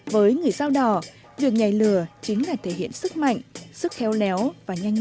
với người dao đỏ việc nhảy lửa chính là thể hiện sức mạnh sức khéo léo và nhanh nhạ